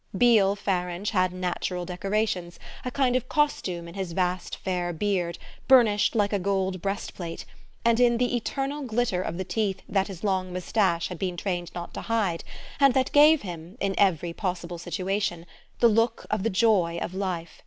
Beale Farange had natural decorations, a kind of costume in his vast fair beard, burnished like a gold breastplate, and in the eternal glitter of the teeth that his long moustache had been trained not to hide and that gave him, in every possible situation, the look of the joy of life.